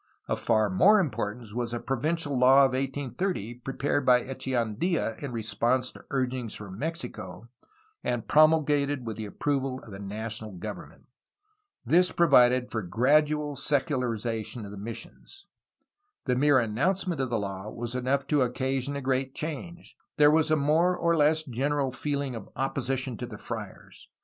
Of far more importance was a provincial law of 468 A HISTORY OF CALIFORNIA 1830, prepared by Echeandia in response to urgings from Mexico, and promulgated with the approval of the national government. This provided for gradual secularization of the missions. The mere announcement of the law was enough to occasion a great change. There was a more or less general feeling of opposition to the friars.